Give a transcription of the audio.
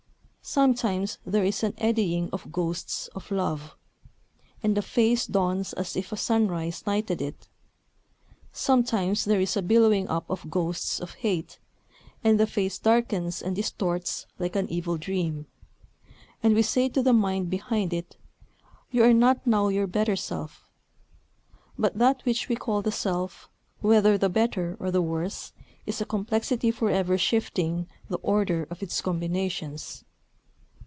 Sometimes there is an eddying of ghosts of love; and the face dawns as if a sunrise lighted it. Sometimes there is a billowing up of ghosts of hate; and the face darkens and distorts like an evil dream, and we say to the mind behind it, "You are not now your better self." But that which we call the self, whether the better or the worse, is a complexity forever shifting the order of its combinations.